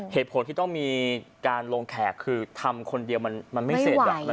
เหตุผลที่ต้องมีการลงแขกคือทำคนเดียวมันไม่เสร็จ